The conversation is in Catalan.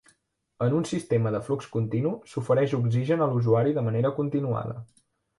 En un "sistema de flux continu", s'ofereix oxigen a l'usuari de manera continuada.